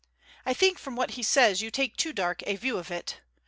I think from what he says you take too dark a view of it.